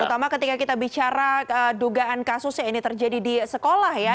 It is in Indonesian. terutama ketika kita bicara dugaan kasusnya ini terjadi di sekolah ya